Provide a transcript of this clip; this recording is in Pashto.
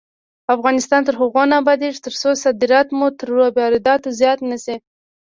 افغانستان تر هغو نه ابادیږي، ترڅو صادرات مو تر وارداتو زیات نشي.